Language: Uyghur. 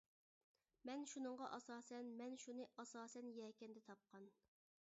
مەن شۇنىڭغا ئاساسەن مەن شۇنى ئاساسەن يەكەندە تاپقان.